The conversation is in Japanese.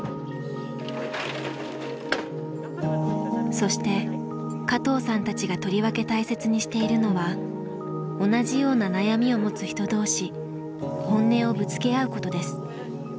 そして加藤さんたちがとりわけ大切にしているのは同じような悩みを持つ人同士本音をぶつけ合うことです。